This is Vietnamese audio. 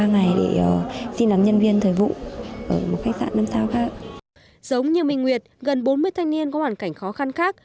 giống như minh nguyệt gần bốn mươi thanh niên có hoàn cảnh khó khăn khác